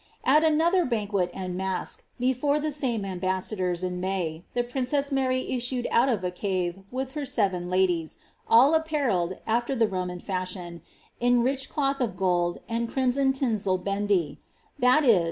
^ At another banquet and mask, before the same ambassadors, in May, the princess Uiuy issued out of a cave, with her seven ladies, all apparelled, after the Ro man fashion, in rich cloth of gold, and crimson tinsel bend^ ; that is.